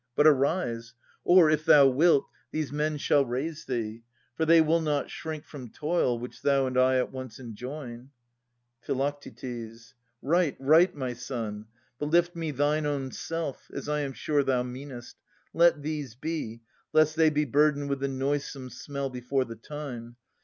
But arise ! Or, if thou wilt. These men shall raise thee. For they will not shrink From toil which thou and I at once enjoin. Phi. Right, right, my son ! But lift me thine own self. As I am sure thou meanest. Let these be, Lest they be burdened with the noisome smell Before the time.